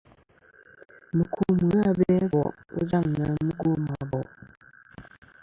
Mùkum ghɨ abe a bò' ghɨ jaŋ na mugwo mɨ a bò'.